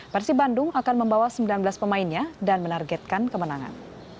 persib bandung akan membawa sembilan belas pemainnya dan menargetkan kemenangan